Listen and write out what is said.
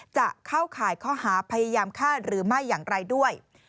จะเข้าข่ายข้อหาพยายามฆ่าหรือไม่อย่างไรด้วย